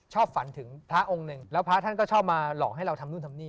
ฝันถึงพระองค์หนึ่งแล้วพระท่านก็ชอบมาหลอกให้เราทำนู่นทำนี่